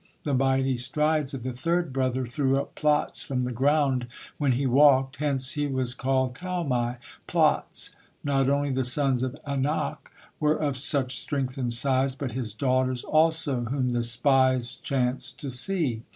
The mighty strides of the third brother threw up plots from the ground when he walked, hence he was called Talmi, "plots." Not only the sons of Anak were of such strength and size, but his daughters also, whom the spies chanced to see.